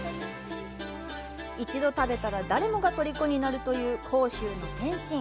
一度食べたら、誰もがとりこになるという広州の点心。